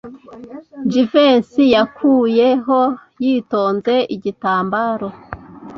Jivency yakuyeho yitonze igitambaro.